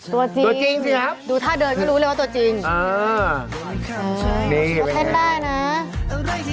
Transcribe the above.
ตัวจริงนะครับดูถ้าเดินจะรู้เลยว่าตัวจริงขอแทนได้นะ